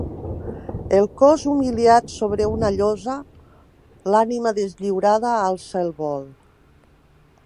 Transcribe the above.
El cos humiliat sobre una llosa, l’ànima deslliurada alça el vol.